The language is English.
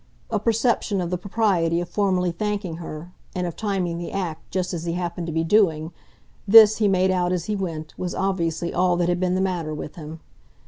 A perception of the propriety of formally thanking her, and of timing the act just as he happened to be doing this, he made out as he went, was obviously all that had been the matter with him.